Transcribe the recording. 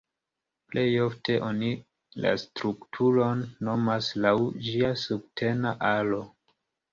Plej ofte oni la strukturon nomas laŭ ĝia subtena aro.